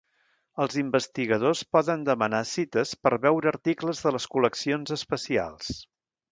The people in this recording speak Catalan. Els investigadors poden demanar cites per veure articles de les col·leccions especials.